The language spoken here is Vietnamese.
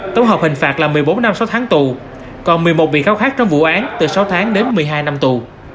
tổng hợp hình phạt là một mươi bốn năm sáu tháng tù còn một mươi một bị cáo khác trong vụ án từ sáu tháng đến một mươi hai năm tù